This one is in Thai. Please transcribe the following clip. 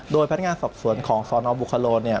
โดยพัฒนงานศัพท์สวนของซนบุคโรนเนี่ย